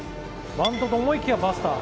バントと思いきやバスター。